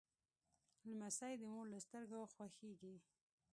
لمسی د مور له سترګو خوښیږي.